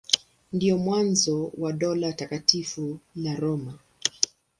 Ndio mwanzo wa Dola Takatifu la Roma.